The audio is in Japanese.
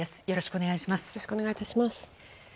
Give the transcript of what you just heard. よろしくお願いします。